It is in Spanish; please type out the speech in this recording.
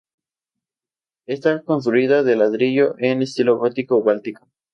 Está construida de ladrillo en estilo gótico báltico.